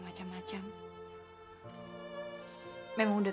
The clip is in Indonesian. baca aja semuanya